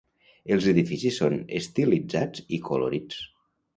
Els edificis són estilitzats i colorits.